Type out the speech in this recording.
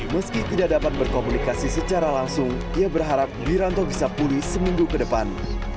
meski tidak dapat berkomunikasi secara langsung ia berharap wiranto bisa pulih seminggu ke depan